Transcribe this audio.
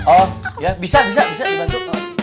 oh ya bisa bisa dibantu tuh